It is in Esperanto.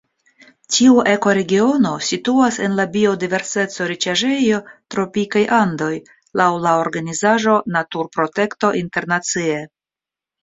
Tiu ekoregiono situas en la biodiverseco-riĉaĵejo Tropikaj Andoj laŭ la organizaĵo Naturprotekto Internacie.